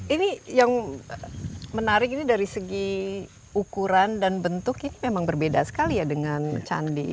ini yang menarik ini dari segi ukuran dan bentuk ini memang berbeda sekali ya dengan candi